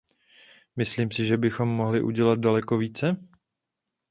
Myslím si, že bychom mohli udělat daleko více?